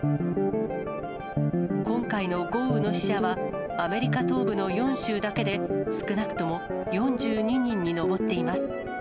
今回の豪雨の死者は、アメリカ東部の４州だけで少なくとも４２人に上っています。